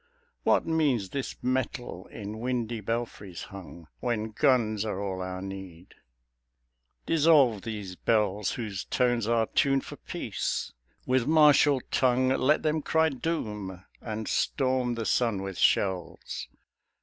What means this metal in windy belfries hung When guns are all our need? Dissolve these bells Whose tones are tuned for peace: with martial tongue Let them cry doom and storm the sun with shells.